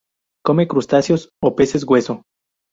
Come crustáceo s y peces hueso.